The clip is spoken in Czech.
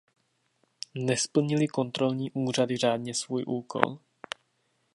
Nesplnily kontrolní úřady řádně svůj úkol?